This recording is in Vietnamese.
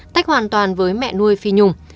tách hoàn toàn với mẹ nuôi phi nhung